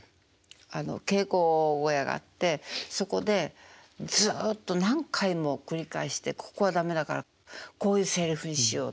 あの稽古小屋があってそこでずっと何回も繰り返して「ここは駄目だからこういうセリフにしよう」っていう。